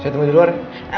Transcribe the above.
saya tunggu di luar ya